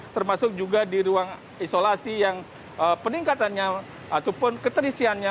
termasuk juga di ruang isolasi yang peningkatannya ataupun keterisiannya